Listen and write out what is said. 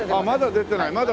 まだ出てない。